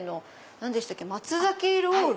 何でしたっけ松ろうる？